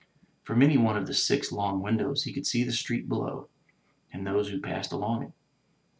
From any one of the six long windows he could see the street below, and those who passed along it.